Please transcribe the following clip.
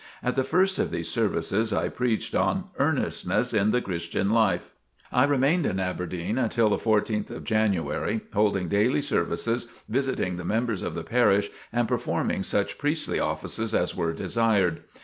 At the first of these services, I preached on "Earnestness in the Christian Life." I remained in Aberdeen until the 14th of January, holding daily services, visiting the members of the parish and performing such priestly offices as were desired.